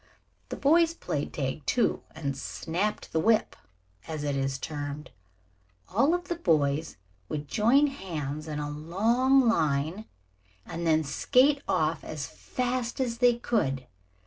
The boys played tag, too, and "snapped the whip," as it is termed. All of the boys would join hands in a long line and then skate off as fast as they could.